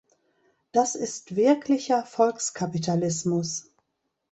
Das ist wirklicher Volkskapitalismus.